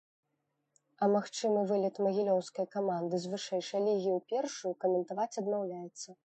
А магчымы вылет магілёўскай каманды з вышэйшай лігі ў першую, каментаваць адмаўляецца.